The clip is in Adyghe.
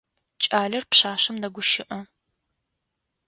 Кӏалэр пшъашъэм дэгущыӏэ.